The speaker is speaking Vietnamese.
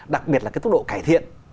đặc biệt là cái tốc độ cải thiện